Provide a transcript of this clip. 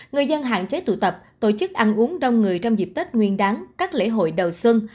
người dân hạn chế tụ tập tổ chức ăn uống đông người trong dịp tết nguyên đáng các lễ hội đầu xuân